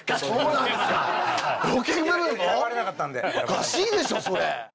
おかしいでしょそれ。